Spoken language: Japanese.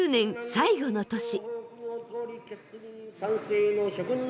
最後の年。